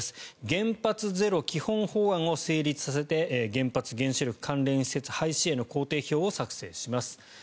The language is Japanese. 原発ゼロ基本法案を成立させて原発・原子力関連施設廃止への工程表を作成します。